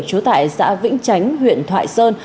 chú tại xã vĩnh chánh huyện thoại sơn